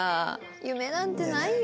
夢なんてないよ。